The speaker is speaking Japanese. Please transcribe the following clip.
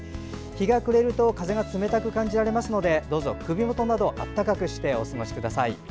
日が暮れると風が冷たく感じられますのでどうぞ首元など暖かくしてお過ごしください。